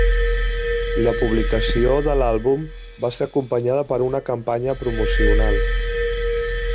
La publicació de l'àlbum va ser acompanyada per una campanya promocional.